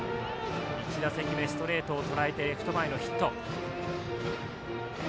１打席目、ストレートをとらえてレフト前のヒット。